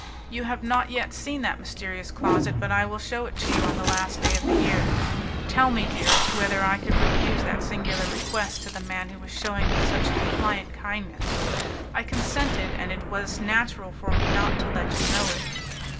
You have not yet seen that mysterious closet, but I will shew it to you on the last day of the year. Tell me, dearest, whether I could refuse that singular request to the man who was shewing me such compliant kindness? I consented, and it was natural for me not to let you know it.